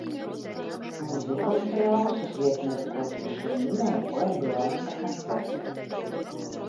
Музыка ўсталяваў сусветны рэкорд вышыні, на якой адбываліся канцэрты.